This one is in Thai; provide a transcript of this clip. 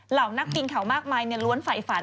เหล่านักปีงเขามากมายเนี่ยล้วนฝ่ายฝัน